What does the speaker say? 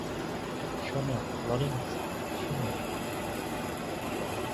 শোনো, লরেন্স, শোনো!